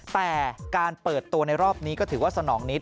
แต่การเปิดตัวในรอบนี้ก็ถือว่าสนองนิด